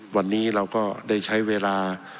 วันนี้เราก็ได้ใช้เวลา